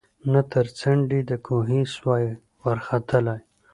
نه تر څنډی د کوهي سوای ورختلای